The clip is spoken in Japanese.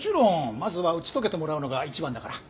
まずは打ち解けてもらうのが一番だから。